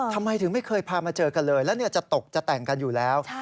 ทำไมถึงไม่เคยพามาเจอกันเลยแล้วจะตกจะแต่งกันอยู่แล้ว